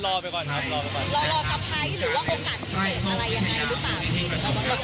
รอรอกับไทยหรือว่าโครงการพิเศษอะไรยังไงหรือเปล่า